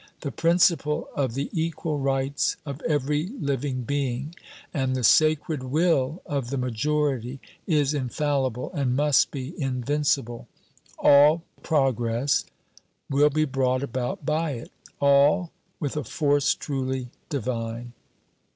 The principle of the equal rights of every living being and the sacred will of the majority is infallible and must be invincible; all progress will be brought about by it, all, with a force truly divine.